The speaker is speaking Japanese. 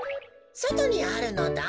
そとにあるのだ。